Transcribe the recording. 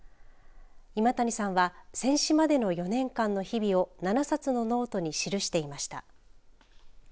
今谷さんは戦死までの４年間の日々を７冊のノートに記していました。